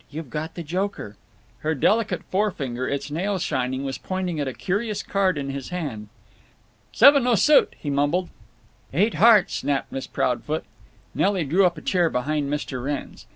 You've got the joker." Her delicate forefinger, its nail shining, was pointing at a curious card in his hand. "Seven nosut," he mumbled. "Eight hearts," snapped Miss Proudfoot. Nelly drew up a chair behind Mr. Wrenn's.